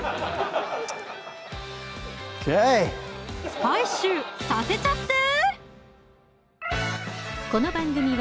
スパイ臭させちゃって！